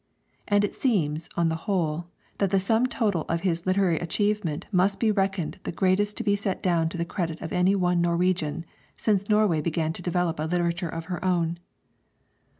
And it seems, on the whole, that the sum total of his literary achievement must be reckoned the greatest to be set down to the credit of any one Norwegian since Norway began to develop a literature of her own.